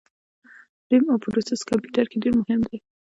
رېم او پروسیسر کمپیوټر کي ډېر مهم دي